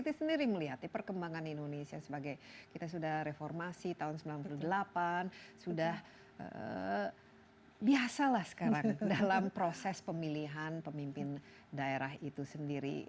jadi melihat perkembangan indonesia sebagai kita sudah reformasi tahun seribu sembilan ratus sembilan puluh delapan sudah biasalah sekarang dalam proses pemilihan pemimpin daerah itu sendiri